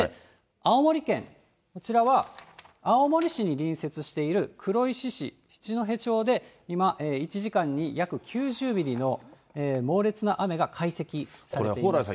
青森県、こちらは青森市に隣接している黒石市、しちのへ町で今、１時間に約９０ミリの猛烈な雨が解析されています。